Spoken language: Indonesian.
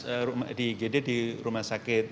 kalau misalnya di igd di rumah sakit